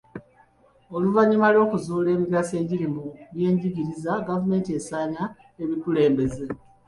Oluvannyuma lw'okuzuula emigaso egiri mu byenjigiriza, gavumenti esaana ebikulembeze.